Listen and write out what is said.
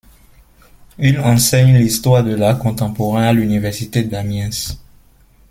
Il enseigne l’histoire de l’art contemporain à l'université d'Amiens.